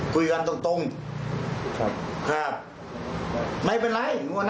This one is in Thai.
เป็นไรก็เป็นเท่านั้น